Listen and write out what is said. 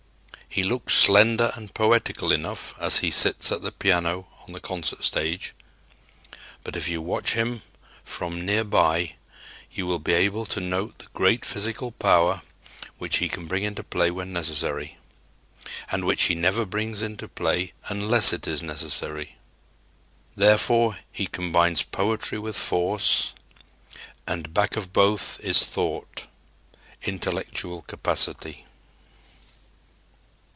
He looks slender and poetical enough as he sits at the piano on the concert stage; but if you watch him from near by you will be able to note the great physical power which he can bring into play when necessary and which he never brings into play unless it is necessary. Therefore he combines poetry with force; and back of both is thought intellectual capacity.